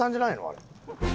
あれ。